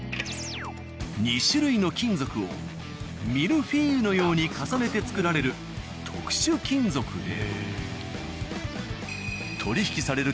２種類の金属をミルフィーユのように重ねて作られる特殊金属で。